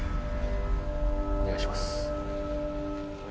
お願いします。